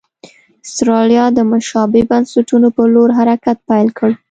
اسټرالیا د مشابه بنسټونو په لور حرکت پیل کړ.